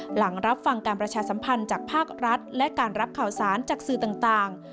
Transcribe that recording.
หลังรับฟังการประชาสัมพันธ์จากภาครัฐและการรับข่าวสารจากสื่อต่าง